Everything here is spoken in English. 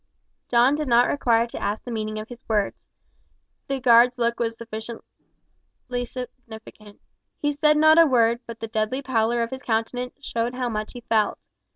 John did not require to ask the meaning of his words. The guard's look was sufficiently significant. He said not a word, but the deadly pallor of his countenance showed how much he felt.